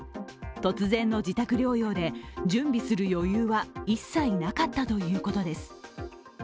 突然の自宅療養で準備する余裕は一切なかったということです。